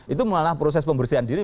itu malah proses pembersihan diri